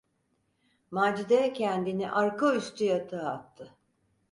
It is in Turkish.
Macide kendini arka üstü yatağa attı.